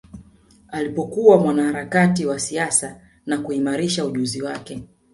Alipokuwa mwanaharakati wa siasa na kuimarisha ujuzi wake